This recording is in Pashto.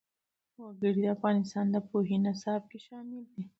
وګړي د افغانستان د پوهنې نصاب کې شامل دي.